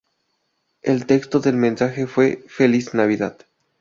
El texto del mensaje fue ""Feliz Navidad"".